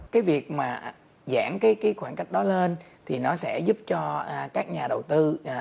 cái việc mà giảm cái khoảng cách đó lên thì nó sẽ giúp cho các nhà đầu tư